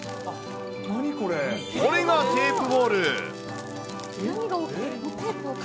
これがテープボール。